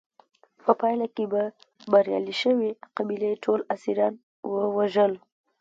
په پایله کې به بریالۍ شوې قبیلې ټول اسیران وژل.